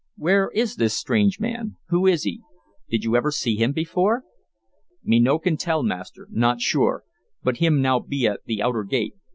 Where is this strange man? Who is he? Did you ever see him before?" "Me no can tell, Master. Not sure. But him now be at the outer gate.